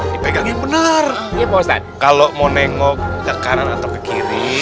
kalau mau nengok ke kiri ya itu dilihat dulu ada orang ya jangan sampai